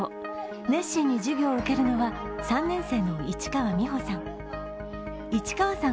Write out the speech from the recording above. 熱心に授業を受けるのは３年生の市川美保さん。